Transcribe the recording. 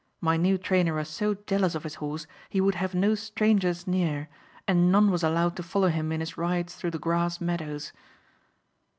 My new trainer was so jealous of his horse he would have no strangers near and none was allowed to follow him in his rides through the grass meadows."